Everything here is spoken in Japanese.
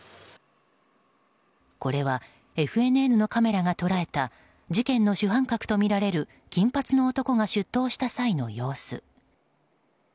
これはＦＮＮのカメラが捉えた事件の主犯格とみられる金髪の男が出頭した際の様子。